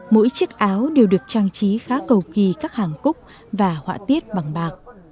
mỗi chiếc áo đều được trang trí khá cầu kỳ các hàng cúc và họa tiết bằng bạc